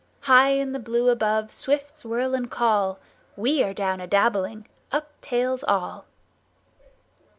High in the blue above Swifts whirl and call— We are down a dabbling Uptails all!